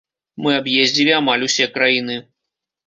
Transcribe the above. Мы аб'ездзілі амаль усе краіны.